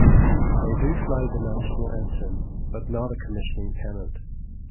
They do fly the national ensign, but not a commissioning pennant.